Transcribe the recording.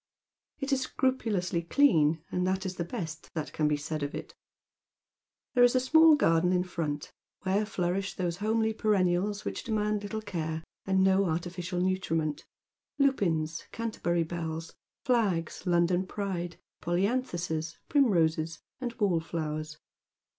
It is scrupulously clean, and that is the best that can be said of it. There is a small garden in fi'ont, where flouribh those homely perennials which demand little cars 4fi Dead MerCs Shoes. and no artificial nutriment, — lupins, Canterbury bells, flags, London pride, polyanthuses, primroses, and wall flowers.